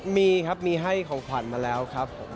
มีครับมีให้ของขวัญมาแล้วครับผม